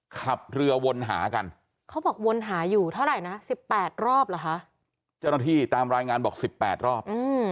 ขับเรือวนหากันเขาบอกวนหาอยู่เท่าไหร่นะ๑๘รอบเหรอคะเจ้าหน้าที่ตามรายงานบอก๑๘รอบ